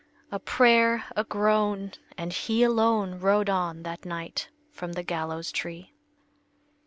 A prayer, a groan, and he alone Rode on that night from the gallows tree.